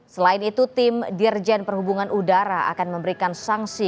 selain itu tim dirjen perhubungan udara akan memberikan sanksi